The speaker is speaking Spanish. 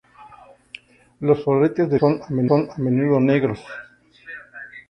Los floretes del disco son a menudo negros.